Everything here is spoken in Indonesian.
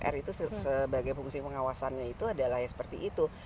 karena memang tugas dpr itu sebagai fungsi pengawasannya itu adalah seperti itu